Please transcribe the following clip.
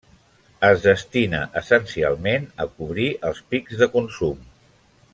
Es destina essencialment a cobrir els pics de consum.